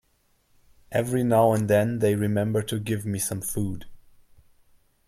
Every now and then they remember to give me some food.